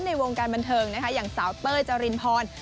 ในวงการบันเทิงนะคะอย่างสาวเต้ยจรินพร